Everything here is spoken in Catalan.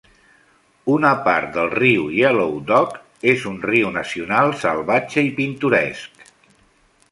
Una part del riu Yellow Dog és un riu nacional salvatge i pintoresc.